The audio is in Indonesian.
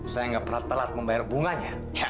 saya nggak pernah telat membayar bunganya